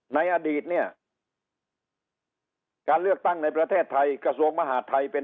ในอดีตเนี่ยการเลือกตั้งในประเทศไทยกระทรวงมหาดไทยเป็น